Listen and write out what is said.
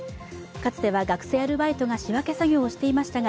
かつては学生アルバイトが仕分け作業をしていましたが、